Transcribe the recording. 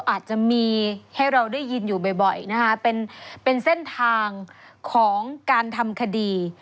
อาจจะมีให้เราได้ยินอยู่บ่อยนะคะเป็นเส้นทางของการทำคดี